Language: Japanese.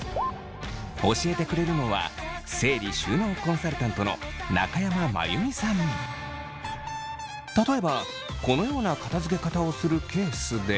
教えてくれるのは整理収納コンサルタントの例えばこのような片づけ方をするケースで。